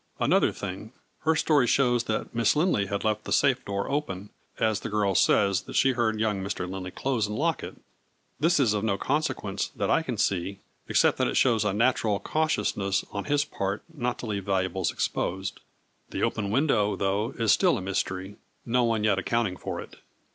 Another thing, her story shows that Miss Lindley had left the safe door open, as the girl says that she heard young Mr. Lindley close and lock it. This is of no consequence, that I can see, except that it shows a natural cautiousness on his part not to leave valuables exposed. The open window, though, is still a mystery, no one yet accounting for it.